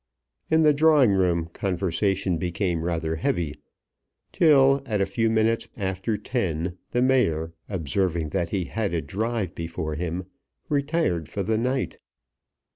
In the drawing room conversation became rather heavy, till, at a few minutes after ten, the Mayor, observing that he had a drive before him, retired for the night.